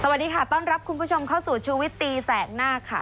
สวัสดีค่ะต้อนรับคุณผู้ชมเข้าสู่ชูวิตตีแสกหน้าค่ะ